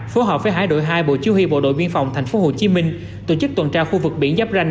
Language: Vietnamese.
phối hợp với hải đội hai bộ chiêu huy bộ đội biên phòng tp hcm tổ chức tuần tra khu vực biển giáp ranh